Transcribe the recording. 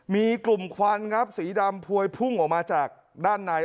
มีกลุ่มควันครับสีดำพวยพุ่งออกมาจากด้านใน